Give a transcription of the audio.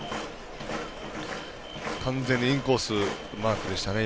完全にインコース、マークでしたね